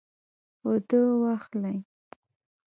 اوده واخلئ